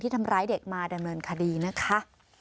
ทำร้ายเด็กมาดำเนินคดีนะคะ